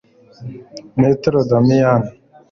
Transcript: Matteo Darmian